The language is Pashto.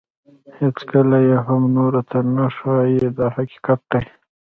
هیڅکله یې هم نورو ته نه ښایي دا حقیقت دی.